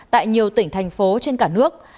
tại nhiều tỉnh thành phố trên cả nước